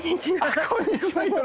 あっこんにちは。